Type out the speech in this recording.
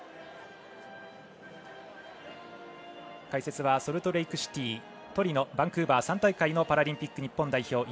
解説はソルトレークシティートリノバンクーバー３大会のパラリンピック日本代表